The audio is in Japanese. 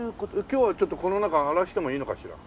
今日はちょっとこの中荒らしてもいいのかしら？